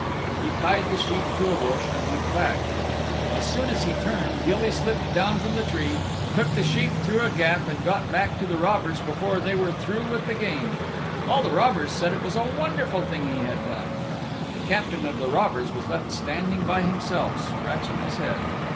He tied the sheep to a bush and went back. As soon as he turned, Gilly slipped down from the tree, took the sheep through a gap, and got back to the robbers before they were through with the game. All the robbers said it was a wonderful thing he had done. The Captain of the Robbers was left standing by himself scratching his head.